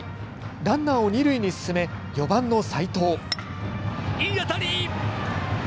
ランナーを二塁に進め４番の齋藤。